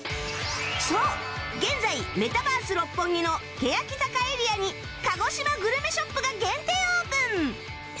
そう現在メタバース六本木のけやき坂エリアに鹿児島グルメ ＳＨＯＰ が限定オープン